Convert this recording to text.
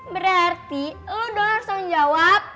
berarti lo doang harus menjawab